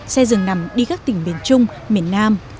xe dường nằm đi các tỉnh miền trung miền nam